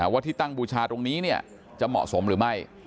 ว่าที่ตั้งบูชาตรงนี้จะเหมาะสมหรือไม่